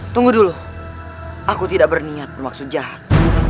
tunggu dulu aku tidak berniat bermaksud jahat